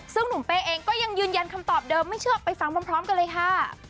ซึ่งหนุ่มเป้เองก็ยังยืนยันคำตอบเดิมไม่เชื่อไปฟังพร้อมกันเลยค่ะ